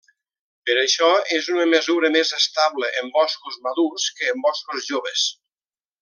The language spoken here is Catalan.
Per això és una mesura més estable en boscos madurs que en boscos joves.